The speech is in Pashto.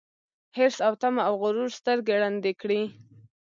حرص او تمه او غرور سترګي ړندې کړي